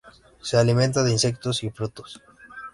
Se alimenta de insectos y frutos.